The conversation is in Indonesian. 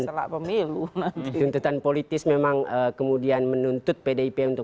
setelah pemilu tuntutan politis memang kemudian menuntut pdip untuk